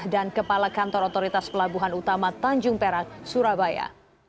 dan kepala kantor otoritas pelabuhan utama tanjung perak surabaya